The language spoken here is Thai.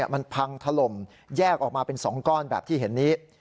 มันพังถล่มแยกออกมาเป็น๒ก้อนแบบที่เห็นนี้